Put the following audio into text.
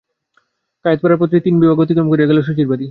কায়েতপাড়ার পথটি তিন ভাগ অতিক্রম করিয়া গেলে শশীর বাড়ি।